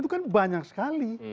itu kan banyak sekali